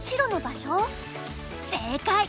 正解！